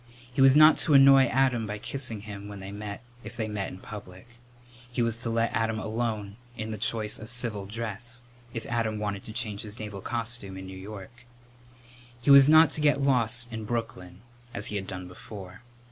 He was not to annoy Adam by kissing him when they met, if they met in public. He was to let Adam alone in the choice of civil dress, if Adam wanted to change his naval costume in New York. He was not to get lost in Brooklyn, as he had done before.